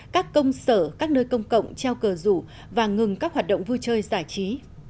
các công sở các nơi công cộng treo cờ rủ và ngừng các hoạt động vui chơi giải trí